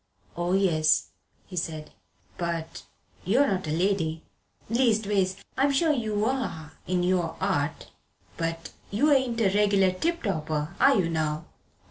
"Oh, yes," he said, "but you're not a lady leastways, I'm sure you are in your 'art but you ain't a regular tip topper, are you, now?"